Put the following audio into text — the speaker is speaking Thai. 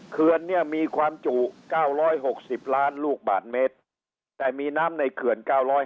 เขื่อนเนี่ยมีความจุ๙๖๐ล้านลูกบาทเมตรแต่มีน้ำในเขื่อน๙๕